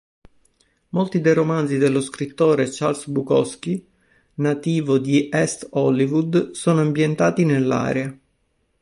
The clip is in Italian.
Molti dei romanzi dello scrittore Charles Bukowski, nativo di Est Hollywood, sono ambientati nell'area.